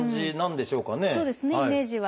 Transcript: そうですねイメージは。